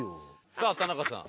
さあ田中さん。